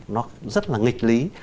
nó rất là nghịch lý